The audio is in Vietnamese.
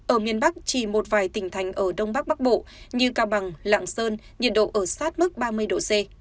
ở miền bắc chỉ một vài tỉnh thành ở đông bắc bắc bộ như cao bằng lạng sơn nhiệt độ ở sát mức ba mươi độ c